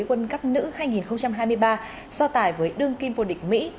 quân cấp nữ hai nghìn hai mươi ba so tài với đương kim vô địch mỹ